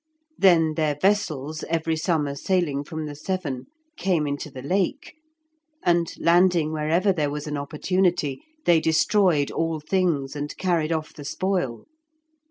Then their vessels every summer sailing from the Severn, came into the Lake, and, landing wherever there was an opportunity, they destroyed all things and carried off the spoil.